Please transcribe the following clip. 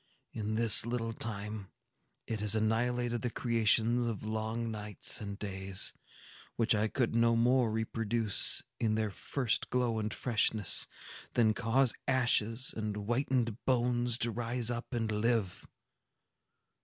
In this little time, it has annihilated the creations of long nights and days, which I could no more reproduce, in their first glow and freshness, than cause ashes and whitened bones to rise up and live.